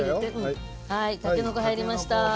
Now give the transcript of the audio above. たけのこ入りました。